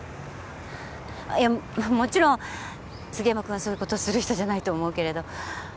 いやもちろん杉山君はそういうことする人じゃないと思うけれど。